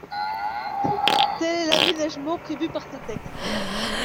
Tel est l’aménagement prévu par ce texte.